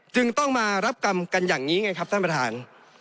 จึงต้องมารับกรรมกันอย่างนี้ไงครับท่านประธาน